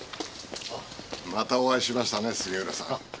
またお会いしましたね杉浦さん。